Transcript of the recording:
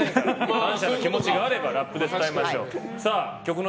感謝の気持ちがあればラップで伝えましょう。